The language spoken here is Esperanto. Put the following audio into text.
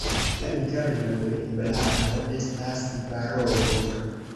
La interna meblaro estas baroko.